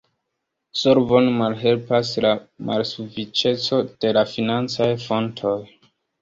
Solvon malhelpas la malsufiĉeco de la financaj fontoj.